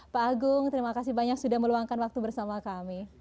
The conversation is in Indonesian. pak agung terima kasih banyak sudah meluangkan waktu bersama kami